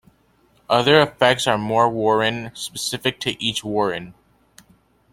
Other effects are more warren specific to each Warren.